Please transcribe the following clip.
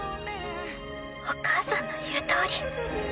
お母さんの言うとおり。